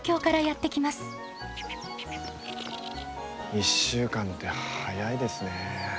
１週間って早いですね。